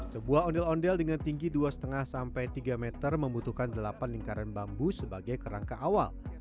sebuah ondel ondel dengan tinggi dua lima sampai tiga meter membutuhkan delapan lingkaran bambu sebagai kerangka awal